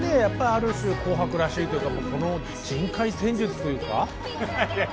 やっぱりある種「紅白」らしいというか人海戦術というか？